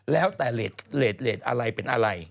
แล้วแต่เลสอะไรเป็นอะไร